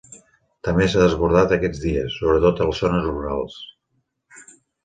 També s'ha desbordat aquests dies, sobretot a les zones rurals.